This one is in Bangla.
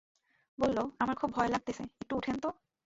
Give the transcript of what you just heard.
বলল, আমার খুব ভয় লাগতেছে, একটু উঠেন তো।